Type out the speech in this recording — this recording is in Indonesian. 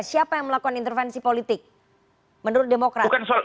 siapa yang melakukan intervensi politik menurut demokrat